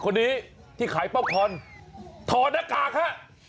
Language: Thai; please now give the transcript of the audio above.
ตอนนี้ที่ขายเป้าพรถอดนักกากค่ะ